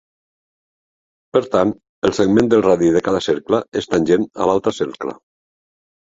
Per tant, el segment del radi de cada cercle és tangent a l'altre cercle.